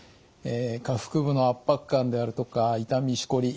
下腹部の圧迫感であるとか痛みしこり